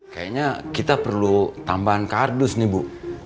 kayaknya kita perlu tambahan kardus nih bu